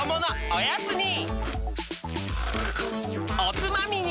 おつまみに！